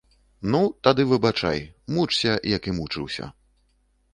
Ну, тады выбачай, мучся, як і мучыўся.